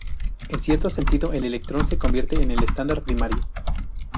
En cierto sentido el electrón se convierte en el estándar primario.